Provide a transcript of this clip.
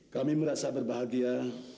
kami merasa berbahagia